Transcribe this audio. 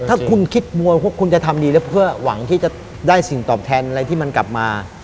ถ้าคุณคิดมวยพวกคุณจะทำดีแล้วเพื่อหวังที่จะได้สิ่งตอบแทนอะไรที่มันกลับมา